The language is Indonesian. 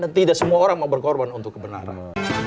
dan tidak semua orang mau berkorban untuk kebenaran